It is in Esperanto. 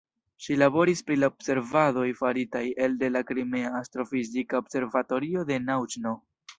Ŝi laboris pri la observadoj faritaj elde la Krimea astrofizika observatorio de Nauĉno.